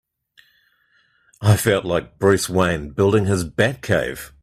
I felt like Bruce Wayne building his Batcave!